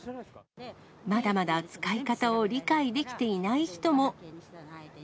まだまだ使い方を理解できていない人も。